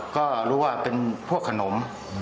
ก็รู้ว่าเป็นพวกขนม